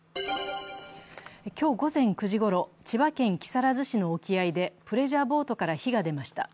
今日午前９時ごろ、千葉県木更津市の沖合でプレジャーボートから火が出ました。